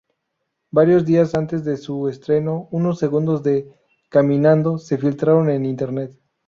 Varios días antes de su estreno, unos segundos de "Caminando" se filtraron en internet.